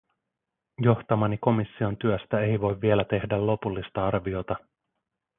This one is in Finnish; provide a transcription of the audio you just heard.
Johtamani komission työstä ei voi vielä tehdä lopullista arviota.